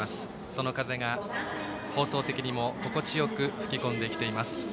その風が、放送席にも心地よく吹き込んできています。